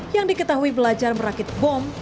yang diketahui belajar merakit bom